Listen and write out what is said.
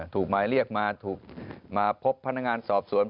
ถูกหมายเรียกมาถึงมาพบพนักงานสอบสวน